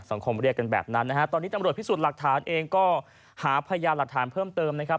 เรียกกันแบบนั้นนะฮะตอนนี้ตำรวจพิสูจน์หลักฐานเองก็หาพยานหลักฐานเพิ่มเติมนะครับ